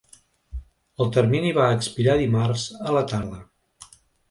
El termini va expirar dimarts a la tarda.